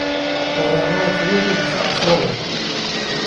Oreora çêlekê diçe esmanan.